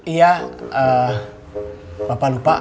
iya bapak lupa